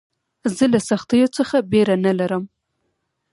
زه له سختیو څخه بېره نه لرم.